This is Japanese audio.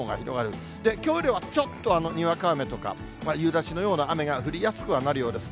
そしてきょうよりはちょっとにわか雨とか、夕立のような雨が降りやすくはなるようです。